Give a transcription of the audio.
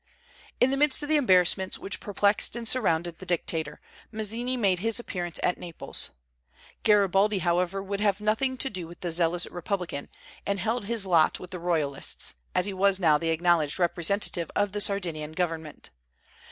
In the midst of the embarrassments which perplexed and surrounded the dictator, Mazzini made his appearance at Naples. Garibaldi, however, would have nothing to do with the zealous republican, and held his lot with the royalists, as he was now the acknowledged representative of the Sardinian government.